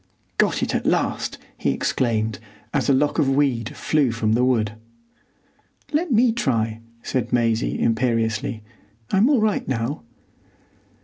"Got it at last!" he exclaimed, as a lock of weed flew from the wood. "Let me try," said Maisie, imperiously. "I'm all right now."